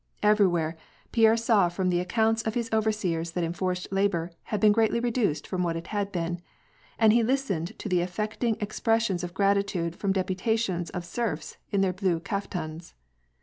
Everywhere, Pierre saw from the accounts of his overseers that enforced labor had been greatly reduced from what it had been, and he listened to the affecting expressions of gratitude from deputations of serfs in their blue kaftans.